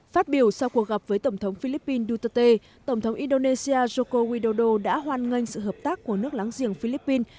phát biểu sau cuộc gặp với tổng thống philippines duterte tổng thống indonesia joko widodo đã hoan nghênh sự hợp tác của nước láng giềng philippines